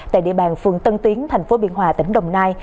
tại địa bàn phường tân tiến thành phố biên hòa tỉnh đồng nai